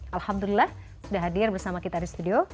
alhamdulillah sudah hadir bersama kita di studio